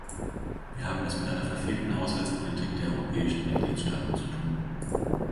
Wir haben es mit einer verfehlten Haushaltspolitik der europäischen Mitgliedstaaten zu tun!